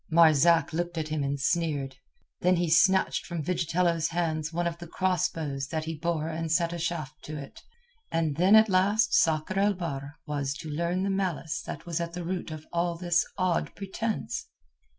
Marzak looked at him and sneered. Then he snatched from Vigitello's hands one of the cross bows that he bore and set a shaft to it. And then at last Sakr el Bahr was to learn the malice that was at the root of all this odd pretence.